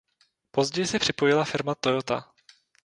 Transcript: Později se připojila firma Toyota.